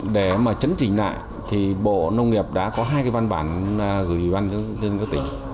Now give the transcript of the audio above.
để mà chấn trình lại thì bộ nông nghiệp đã có hai cái văn bản gửi đến các tỉnh